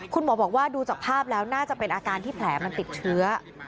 คุณหมอบอกว่าดูจากภาพแล้วน่าจะเป็นอาการที่แผลมันติดเชื้อ